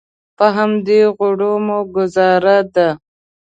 په همدې غوړو مو ګوزاره ده.